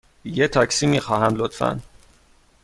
یه تاکسی می خواهم، لطفاً.